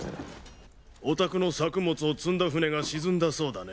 お宅の作物を積んだ船が沈んだそうだね。